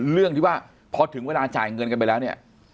เรื่องที่ว่าพอถึงเวลาจ่ายเงินกันไปแล้วเนี่ย